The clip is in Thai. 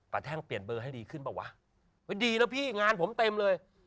แท่งเปลี่ยนเบอร์ให้ดีขึ้นเปล่าวะเฮ้ยดีแล้วพี่งานผมเต็มเลย